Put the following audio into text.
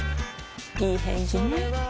いい返事ね